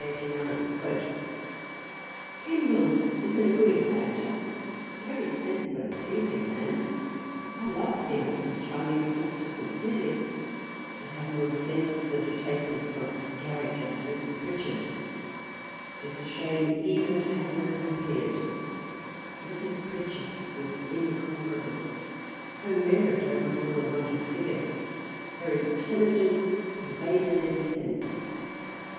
" Kemble is an agreeable Actor, a very sensible and pleasing Man ; I love him and his charming Sister sincerely, but have more sense than to take them for Garrick and Mrs Pritchard Tis a shame even to have them compared Mrs Pritchard was incomparable, her Merit overbore the want of Figure, her intelligence pervaded every Sense.